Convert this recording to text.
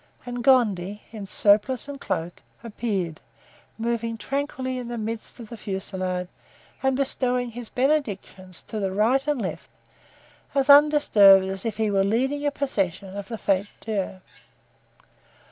and Gondy, in surplice and cloak, appeared, moving tranquilly in the midst of the fusillade and bestowing his benedictions to the right and left, as undisturbed as if he were leading a procession of the Fete Dieu.